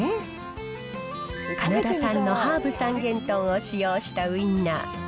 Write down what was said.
カナダ産のハーブ三元豚を使用したウインナー。